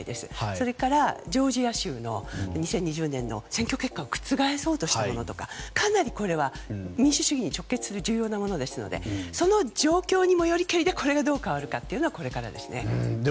それからジョージア州の２０２０年の選挙結果を覆そうとしたものとかかなり、これは民主主義に直結する重要なものですのでその状況にもよりけりでこれがどう変わるかはこれからですね。